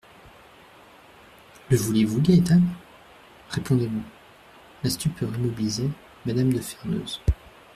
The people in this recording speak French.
Le voulez-vous, Gaétane ? Répondez-moi.» La stupeur immobilisait M^{me} de Ferneuse.